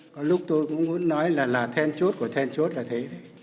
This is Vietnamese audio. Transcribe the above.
có lúc tôi cũng muốn nói là then chốt của then chốt là thế